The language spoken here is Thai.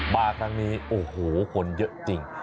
มาครั้งนี้โอ้โหคนเยอะจริง